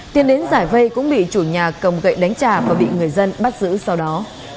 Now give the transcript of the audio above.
tiền đến giải vây cũng bị chủ nhà cầm gậy đánh trả và bị người dân bắt giữ sau đó